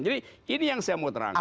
jadi ini yang saya mau terangkan